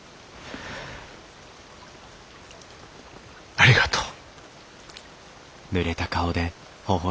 ありがとう。